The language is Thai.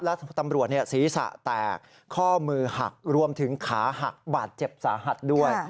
และตำรวจศีรษะแตกข้อมือหักรวมถึงขาหักบาดเจ็บสาหัสด้วย